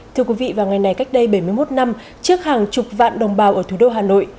thưa quý vị vào ngày này cách đây bảy mươi một năm trước hàng chục vạn đồng bào ở thủ đô hà nội